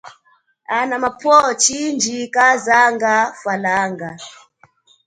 Ana mapwo kazanga chindji falanga.